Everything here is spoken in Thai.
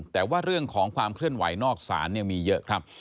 แต่ว่าเรื่องของความเคลื่อนไหวนอกศาลเนี่ยมีเยอะครับ